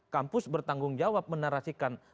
kampus bertanggung jawab menarasikan